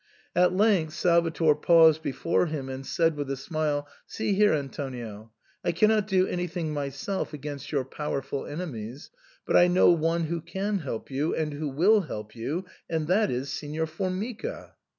At length Salvator paused before him and said with a smile, '*See here, Antonio, I cannot do anything myself against your powerful enemies, but I know one who can help you, and who will help you, and that is — Signor Formica."